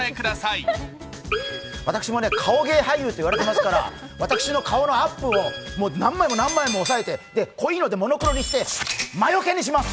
私もね、顔芸俳優って言われてますから私のがとのアップをもう何枚も何枚も押さえて濃いので、モノクロにして魔よけにします！